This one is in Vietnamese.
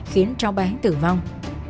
khiến cháu bé tử vong